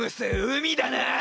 海だな！